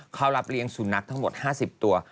เขารับเลี้ยงสุนัขทั้งหมด๕๐ตัว